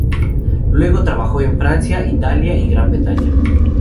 Luego trabajó en Francia, Italia y Gran Bretaña.